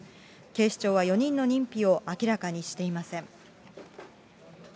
警視庁は４人の認否を明らかにしていません。